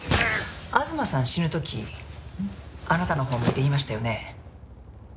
東さん死ぬ時あなたのほう見て言いましたよね。